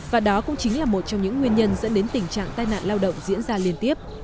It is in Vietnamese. và đó cũng chính là một trong những nguyên nhân dẫn đến tình trạng tai nạn lao động diễn ra liên tiếp